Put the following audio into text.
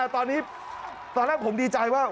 ตอนนี้ตอนแรกผมดีใจว่า